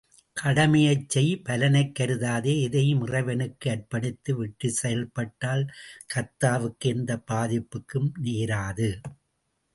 கடமையைச் செய் பலனைக்கருதாதே எதையும் இறைவனுக்கு அர்ப்பணித்து விட்டுச்செயல்பட்டால் கர்த்தாவுக்கு எந்தப் பாதிப்பும் நேராது.